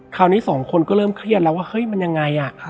คราวนี้สองคนก็เริ่มเครียดแล้วว่าเฮ้ยมันยังไง